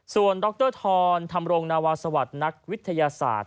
ส่วนดรธรธรรมรงนาวาสวัสดิ์นักวิทยาศาสตร์